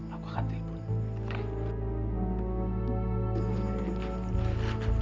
aku akan telpon